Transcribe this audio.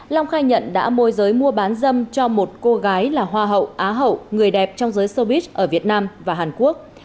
long khai nhận đã môi giới mua bán dâm cho một cô gái là hoa hậu á hậu người đẹp trong giới sobit ở việt nam và hàn quốc